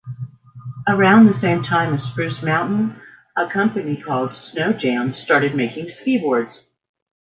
Around the same time as Spruce Mountain, a company called Snowjam started making skiboards.